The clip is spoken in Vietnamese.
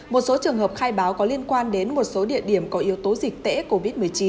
một số trường hợp khai báo có liên quan đến một số địa điểm có yếu tố dịch tễ covid một mươi chín